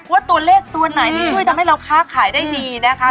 ว่าตัวเลขตัวไหนที่ช่วยทำให้เราค้าขายได้ดีนะคะ